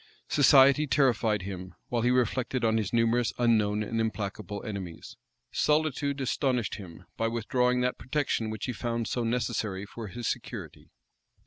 Society terrified him, while he reflected on his numerous, unknown, and implacable enemies: solitude astonished him, by withdrawing that protection which he found so necessary for his security.